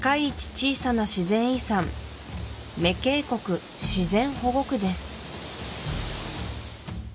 小さな自然遺産メ渓谷自然保護区です